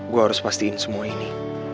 gue harus pastiin semua ini